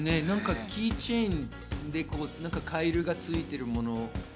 キッチンでカエルがついているもの。